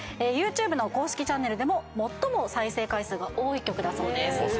ＹｏｕＴｕｂｅの公式チャンネルでも最も再生回数が多い曲だそうです。